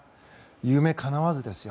夢かなわずですよ。